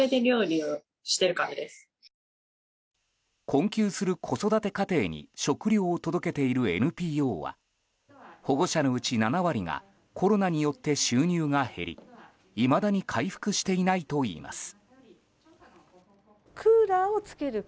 困窮する子育て家庭に食料を届けているＮＰＯは保護者のうち７割がコロナによって収入が減りいまだに回復していないといいます。